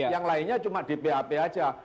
yang lainnya cuma di pap saja